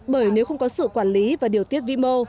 bởi nếu không có sự quản lý và điều tiết vi mô